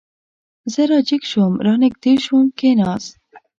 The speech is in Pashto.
زه را جګ شوم، را نږدې شو، کېناست.